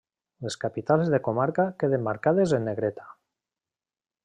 Les capitals de comarca queden marcades en negreta.